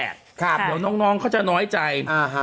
เดี๋ยวน้องเขาจะน้อยใจ